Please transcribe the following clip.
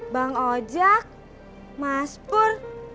bang ocak mas pur